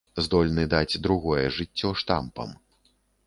Здольны даць другое жыццё штампам.